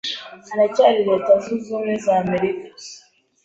haracyari Leta Zunze Ubumwe za Amerika